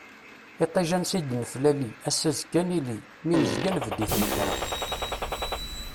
Iṭij ansa i d-neflali, ass-a azekka ad nili, mi nezga nbedd i tnekra.